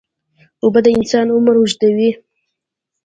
اوبه د انسان عمر اوږدوي.